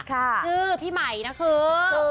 ชื่อพี่ใหม่นะคือ